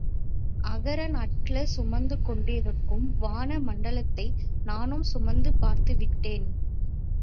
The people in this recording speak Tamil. அகரன் அட்லஸ் சுமந்துகொண்டிருக்கும் வான மண்டலத்தை நானும் சுமந்து பார்த்துவிட்டேன்.